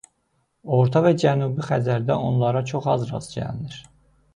Orta və Cənubi Xəzərdə onlara çox az rast gəlinir.